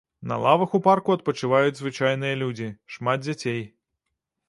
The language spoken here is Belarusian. На лавах у парку адпачываюць звычайныя людзі, шмат дзяцей.